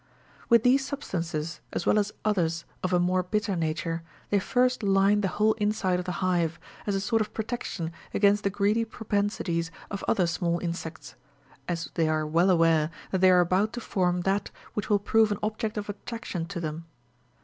With these substances, as well as others of a more bitter nature, they first line the whole inside of the hive, as a sort of protection ag«ainst the greedy propensities of other small insects, as they are well aware that they are about to form that which will prove an object of attraction to them.